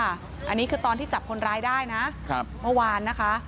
อันนี้คือตอนที่จับคนร้ายได้นะเมื่อวานนะคะ